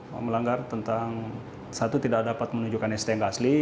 melanggar tentang satu tidak dapat menunjukkan sd yang asli